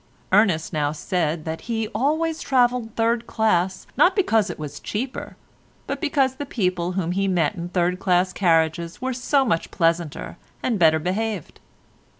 Ernest now said that he always travelled third class not because it was cheaper, but because the people whom he met in third class carriages were so much pleasanter and better behaved.